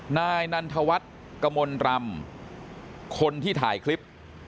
นายนันทวัฒน์กมลรำคนที่ถ่ายคลิป